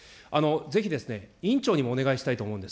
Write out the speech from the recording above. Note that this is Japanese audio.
ぜひ、委員長にもお願いしたいと思うんです。